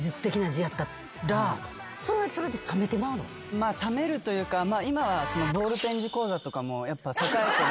まあ冷めるというか今はボールペン字講座とかもやっぱ栄えてるので。